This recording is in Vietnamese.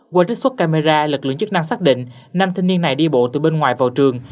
qua trích xuất camera lực lượng chức năng xác định nam thanh niên này đi bộ từ bên ngoài vào trường